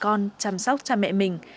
con chăm sóc cha mẹ mình